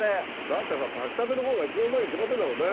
だってさ炊きたてのほうが一番うまいに決まってんだもんね。